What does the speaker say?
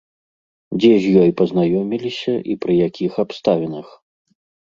Дзе з ёй пазнаёміліся і пры якіх абставінах?